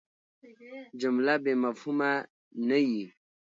جمله بېمفهومه نه يي.